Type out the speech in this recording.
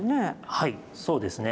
はいそうですね。